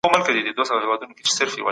د درسي کتابونو د کمښت ستونزه څنګه حلیږي؟